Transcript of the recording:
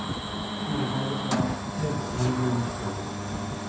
つまりハヤブサは聖母誕生の地という事です。